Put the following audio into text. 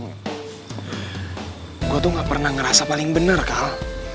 gue tuh gak pernah ngerasa paling bener kal